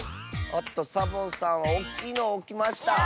おっとサボさんはおっきいのをおきました。